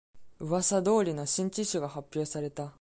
うわさ通りの新機種が発表された